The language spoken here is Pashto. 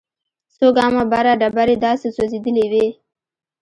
څو ګامه بره ډبرې داسې سوځېدلې وې.